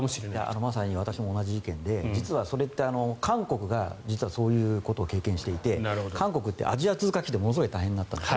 まさに私も同じ意見で実はそれって韓国がそういうことを経験していて韓国ってアジア通貨危機でものすごく大変になったんですね。